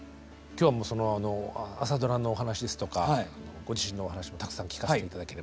今日はその朝ドラのお話ですとかご自身のお話もたくさん聞かせて頂ければと。